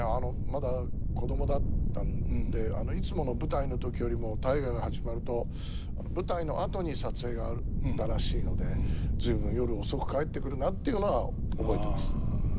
まだ子供だったんでいつもの舞台の時よりも「大河」が始まると舞台の後に撮影があったらしいので「随分夜遅く帰ってくるな」っていうのは覚えてます。